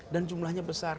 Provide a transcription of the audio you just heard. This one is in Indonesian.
dan jumlahnya besar